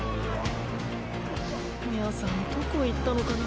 ミャアさんどこ行ったのかな？